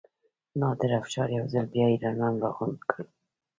نادر افشار یو ځل بیا ایرانیان راغونډ کړل.